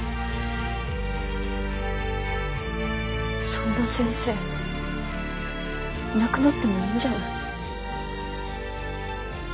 そんな先生いなくなってもいいんじゃない？